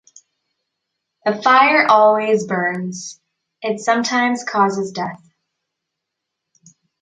The fire always burns, it sometimes causes death.